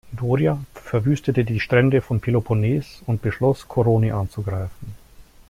Doria verwüstete die Strände von Peloponnes und beschloss Koroni anzugreifen.